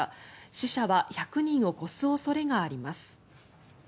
死者は１００人を超す恐れがあります。